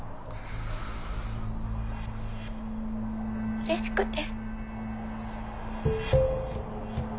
うれしくて。